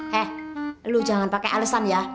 heh lu jangan pakai elesan ya